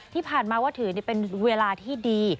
ที่ผ่านมาว่าถือเป็นเวลาที่ดี